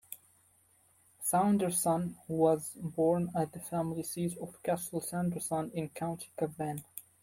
Saunderson was born at the family seat of Castle Saunderson in County Cavan.